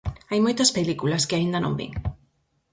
Hai moitas películas que aínda non vin.